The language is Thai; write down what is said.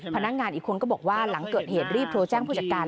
พนักงานอีกคนก็บอกว่าหลังเกิดเหตุรีบโทรแจ้งผู้จัดการ